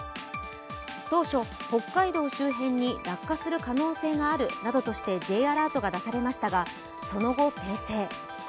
当初、北海道周辺に落下する可能性があるなどとしてＪアラートが出されましたが、その後、訂正。